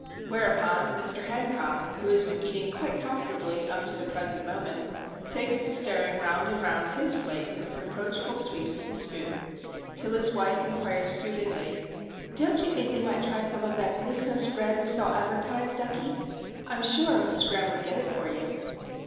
Whereupon Mr. Hancock, who has been eating quite comfortably up to the present moment, takes to stirring round and round his plate with reproachful sweeps of the spoon, till his wife inquires soothingly,— "Don't you think we might try some of that Glucose Bread we saw advertised, Ducky? I'm sure Mrs. Graham would get it for you."